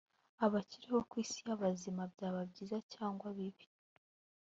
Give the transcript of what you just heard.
abakiriho ku isi y abazima byaba byiza cyangwa bibi